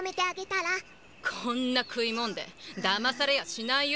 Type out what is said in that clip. こんなくいもんでだまされやしないよ。